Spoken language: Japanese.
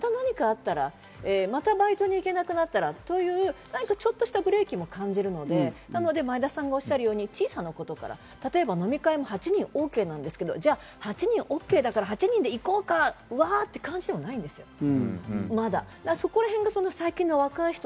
お金も使えるけれども、また何かあったらまたバイトに行けなくなったらという何かちょっとしたブレーキも感じるので、なので前田さんがおっしゃるように小さなこと、飲み会も８人ＯＫなんですけど、８人ＯＫだからみんなで行こうか、わ！という感じではないんです、まだ。